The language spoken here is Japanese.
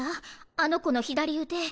あの子の左腕。